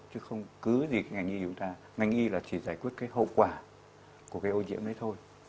chứ không cứ gì ngành y như chúng ta ngành y là chỉ giải quyết hậu quả của ô nhiễm đấy thôi